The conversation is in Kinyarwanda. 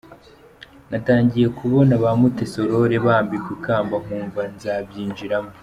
Natangiye kubona ba Mutesi Aurore bambikwa ikamba nkumva nzabyinjiramo.